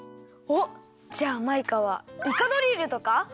おっじゃあマイカはイカドリルとか？